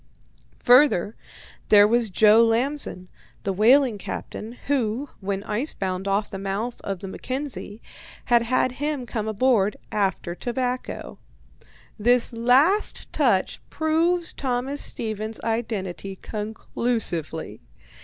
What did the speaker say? Further, there was Joe Lamson, the whaling captain, who, when ice bound off the mouth of the Mackenzie, had had him come aboard after tobacco. This last touch proves Thomas Stevens's identity conclusively.